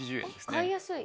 あっ買いやすい。